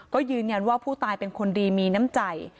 ก็ยืนยันว่าผู้ตายเป็นคนดีมีน้ำใจ